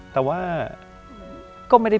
ตอนนี้